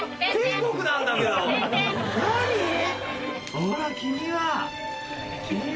ほら君は。